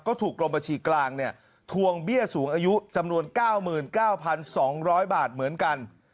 ก็ถูกกรมบัญชีกลางทวงเบี้ยสูงอายุจำนวน๙๙๒๐๐บาทเหมือนกัน